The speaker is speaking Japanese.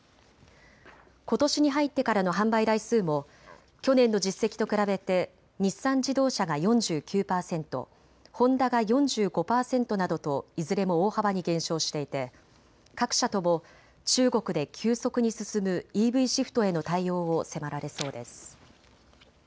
ことしに入ってからの販売台数も去年の実績と比べて日産自動車が４９％、ホンダが４５％などといずれも大幅に減少していて各社とも中国で急速に進むＥＶシフトへの対応を迫られそうです。